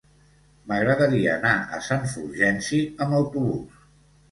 M'agradaria anar a Sant Fulgenci amb autobús.